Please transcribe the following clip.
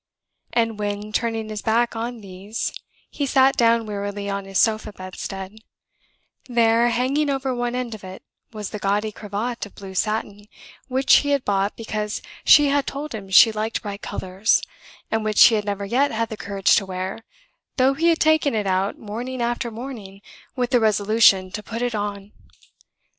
And when, turning his back on these, he sat down wearily on his sofa bedstead there, hanging over one end of it, was the gaudy cravat of blue satin, which he had bought because she had told him she liked bright colors, and which he had never yet had the courage to wear, though he had taken it out morning after morning with the resolution to put it on!